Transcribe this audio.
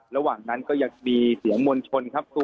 ระหว่างนั้นก็ยังมีเสียงมวลชนครับ